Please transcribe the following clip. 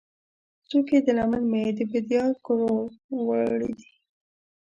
څوکې د لمن مې، د بیدیا کروړو ، وړې دي